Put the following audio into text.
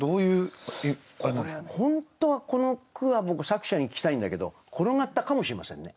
本当はこの句は僕作者に聞きたいんだけどころがったかもしれませんね。